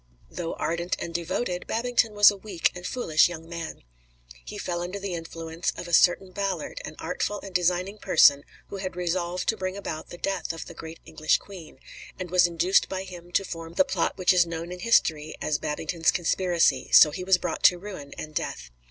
Though ardent and devoted, Babington was a weak and foolish young man. He fell under the influence of a certain Ballard, an artful and designing person who had resolved to bring about the death of the great English Queen, and was induced by him to form the plot which is known in history as Babington's Conspiracy; so he was brought to ruin and death.